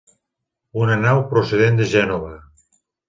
Una nau procedent de Gènova.